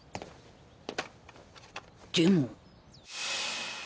でも